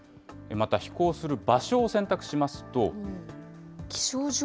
また、飛行する場所を選択しますと。